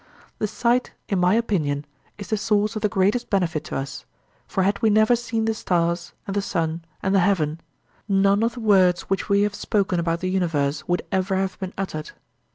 The sight in my opinion is the source of the greatest benefit to us, for had we never seen the stars, and the sun, and the heaven, none of the words which we have spoken about the universe would ever have been uttered.